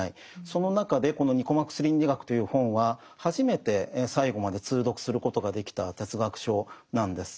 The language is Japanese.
その中でこの「ニコマコス倫理学」という本は初めて最後まで通読することができた哲学書なんです。